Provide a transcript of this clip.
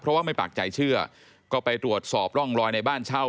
เพราะว่าไม่ปากใจเชื่อก็ไปตรวจสอบร่องรอยในบ้านเช่า